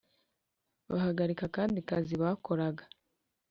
bahagarika akandi kazi bakoraga